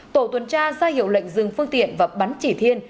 tổ tuần tra ra hiệu lệnh dừng phương tiện và bắn chỉ thiên